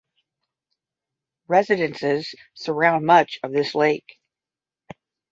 Residences surround much of this lake.